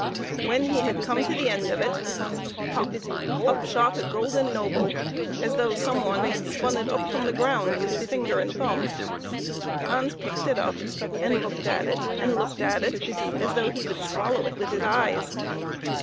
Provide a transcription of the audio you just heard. When he had come to the end of it pop! up shot a golden noble, as though some one had spun it up from the ground with their finger and thumb. Hans picked it up, and looked at it and looked at it as though he would swallow it with his eyes.